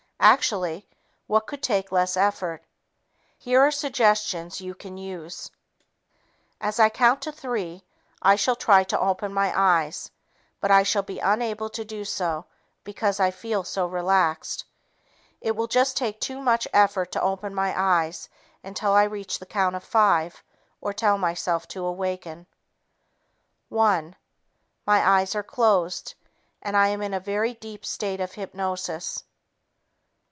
Actually, what could take less effort? Here are suggestions you can use: "As I count to three, I shall try to open my eyes, but I shall be unable to do so because I feel so relaxed. It will just take too much effort to open my eyes until I reach the count of five or tell myself to awaken. One ... My eyes are closed, and I am in a very deep state of hypnosis.